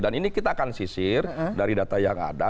dan ini kita akan sisir dari data yang ada